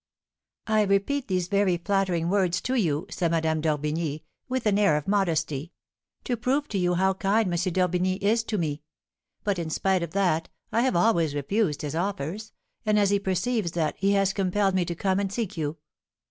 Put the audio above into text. I repeat these very flattering words to you," said Madame d'Orbigny, with an air of modesty, "to prove to you how kind M. d'Orbigny is to me. But, in spite of that, I have always refused his offers; and, as he perceives that, he has compelled me to come and seek you."